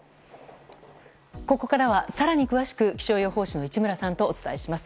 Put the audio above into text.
ここからは更に詳しく気象予報士の市村さんとお伝えします。